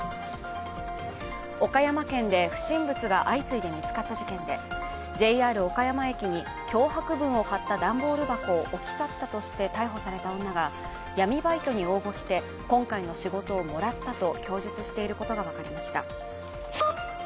岡山県で不審物が相次いで見つかった事件でＪＲ岡山駅に脅迫文を貼った段ボール箱を置き去ったとして逮捕された女が闇バイトに応募して今回の仕事をもらったと供述していることが分かりました。